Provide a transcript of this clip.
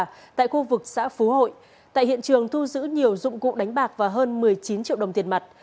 tại khu vực xã phú hội tại hiện trường thu giữ nhiều dụng cụ đánh bạc và hơn một mươi chín triệu đồng tiền mặt